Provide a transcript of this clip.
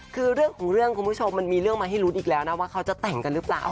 คือเรื่องของเรื่องคุณผู้ชมมันมีเรื่องมาให้ลุ้นอีกแล้วนะว่าเขาจะแต่งกันหรือเปล่า